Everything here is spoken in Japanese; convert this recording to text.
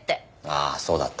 ああそうだった。